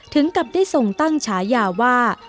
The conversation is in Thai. ถึงกับได้ส่งตั้งฉายาว่า